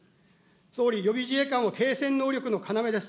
総理、予備自衛官は継戦能力の要です。